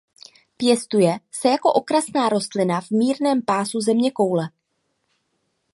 Pěstuje se jako okrasná rostlina v mírném pásu zeměkoule.